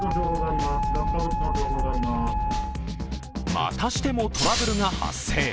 またしてもトラブルが発生。